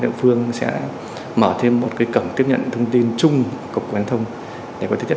để chủ động trong việc làm thủ tục đổi biển